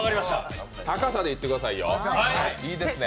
高さでいってくださいよいいですね？